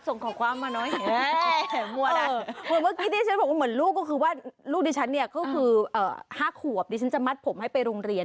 ส่งขอบความมาน้อยเหมือนลูกก็คือว่าลูกดิฉันเนี่ยก็คือ๕ขวบดิฉันจะมัดผมให้ไปโรงเรียน